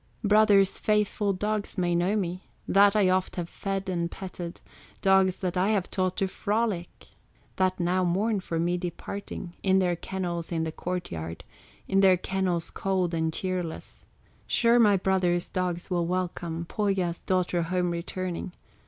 Brother's faithful dogs may know me, That I oft have fed and petted, Dogs that I have taught to frolic, That now mourn for me departing, In their kennels in the court yard, In their kennels cold and cheerless; Sure my brother's dogs will welcome Pohya's daughter home returning.